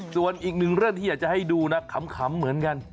ส่วนอีกหนึ่งเรื่องที่อยากจะให้ดูนะขำเหมือนกัน